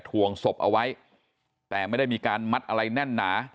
ถวงศพเอาไว้แต่ไม่ได้มีการมัดอะไรแน่นหนา